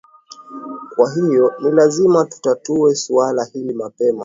kwa hiyo ni lazima tutatue suala hili mapema